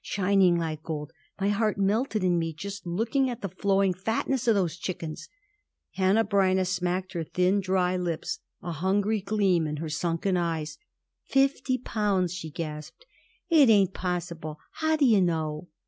Shining like gold! My heart melted in me just looking at the flowing fatness of those chickens." Hanneh Breineh smacked her thin, dry lips, a hungry gleam in her sunken eyes. "Fifty pounds!" she gasped. "It ain't possible. How do you know?"